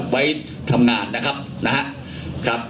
ไว้ทำงานนะครับ